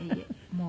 もう。